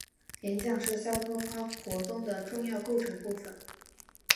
演讲是肖托夸活动的重要构成部分。